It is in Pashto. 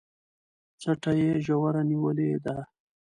څټه يې ژوره نيولې ده